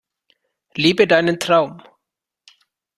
Lebe deinen Traum!